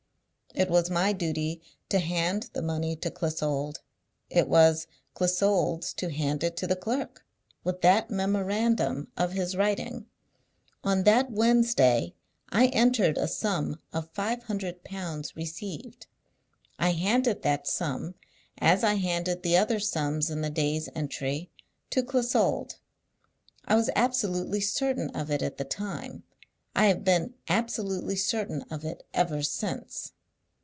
It was my duty to hand the money to Clissold; it was Clissold's to hand it to the clerk, with that memorandum of his writing. On that Wednesday I entered a sum of five hundred pounds received. I handed that sum, as I handed the other sums in the day's entry, to Clissold. I was absolutely certain of it at the time; I have been absolutely certain of it ever since.